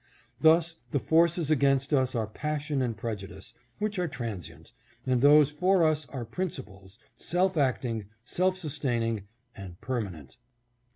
Thus the forces against us are passion and prejudice, which are transient, and those for us are principles, self acting, self sustaining, and permanent.